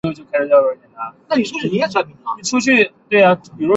所属相扑部屋为武藏川部屋。